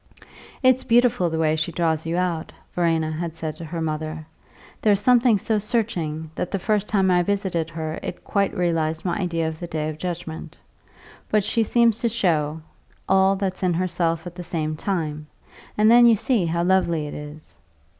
"It's beautiful, the way she draws you out," Verena had said to her mother; "there's something so searching that the first time I visited her it quite realised my idea of the Day of Judgement. But she seems to show all that's in herself at the same time, and then you see how lovely it is.